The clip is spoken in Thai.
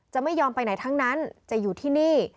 ไม่ยอมไปไหนทั้งนั้นจะอยู่ที่นี่